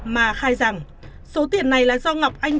mà khai rằng số tiền này là do ngọc anh